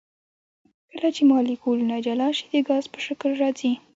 کله چې مالیکولونه جلا شي د ګاز په شکل راځي.